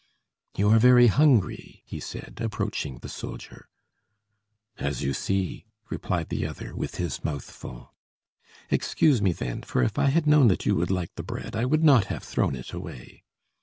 "You are very hungry?" he said, approaching the soldier. "As you see," replied the other with his mouth full. "Excuse me then. For if I had known that you would like the bread, I would not have thrown it away."